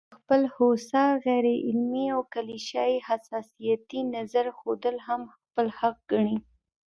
د خپل خوسا، غيرعلمي او کليشه يي حساسيتي نظر ښودل هم خپل حق ګڼي